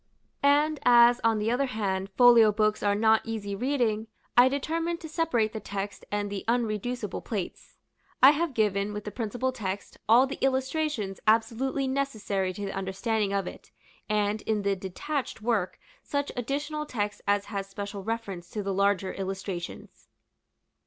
And as, on the other hand, folio books are not easy reading, I determined to separate the text and the unreducible plates. I have given, with the principal text, all the illustrations absolutely necessary to the understanding of it, and, in the detached work, such additional text as has special reference to the larger illustrations.